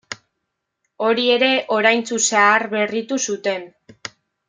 Hori ere oraintsu zaharberritu zuten.